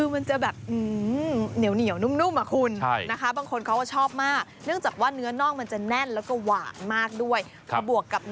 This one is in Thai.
มันจะแตกต่างจากเนื้อส่วนอก